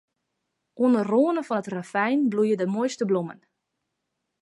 Oan 'e râne fan it ravyn bloeie de moaiste blommen.